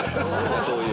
そういう。